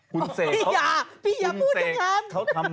พี่อย่าพี่อย่าพูดอย่างนั้น